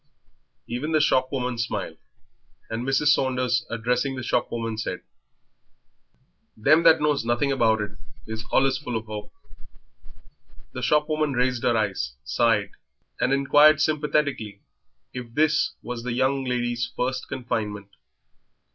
Even the shopwoman smiled, and Mrs. Saunders, addressing the shopwoman, said "Them that knows nothing about it is allus full of 'ope." The shopwoman raised her eyes, sighed, and inquired sympathetically if this was the young lady's first confinement.